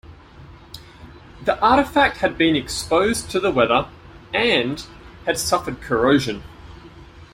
The artifact had been exposed to the weather and had suffered corrosion.